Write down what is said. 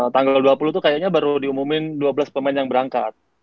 tanggal dua puluh tuh kayaknya baru diumumin dua belas pemain yang berangkat